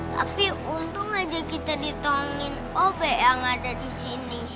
tapi untung aja kita ditolongin o b yang ada di sini